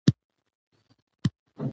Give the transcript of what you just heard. انار د افغانستان د اقلیم ځانګړتیا ده.